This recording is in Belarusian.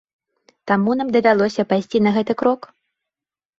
Таму нам давялося пайсці на гэты крок.